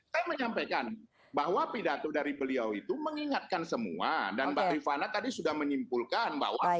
saya menyampaikan bahwa pidato dari beliau itu mengingatkan semua dan mbak rifana tadi sudah menyimpulkan bahwa